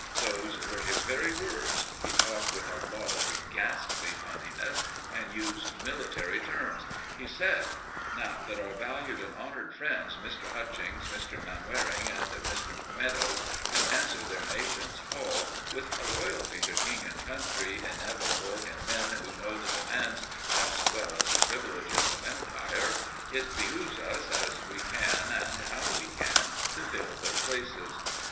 Those were his very words. He talked with a sort of ghastly funniness and used military terms. He said "Now that our valued and honoured friends, Mr. Hutchings, Mr. Manwaring, and Mr. Meadows have answered their nation's call, with a loyalty to King and Country inevitable in men who know the demands as well as the privileges of Empire, it behoves us, as we can and how we can, to fill their places.